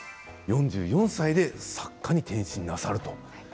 ４４歳で作家に転身なさると。